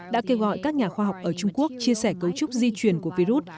đã kêu gọi các nhà khoa học ở trung quốc chia sẻ cấu trúc di truyền của virus